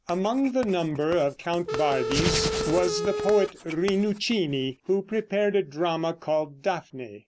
Among the number at Count Bardi's was the poet Rinuccini, who prepared a drama called "Dafne."